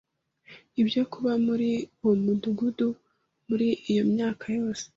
ibyo kuba muri uwo mudugudu muri iyo myaka yose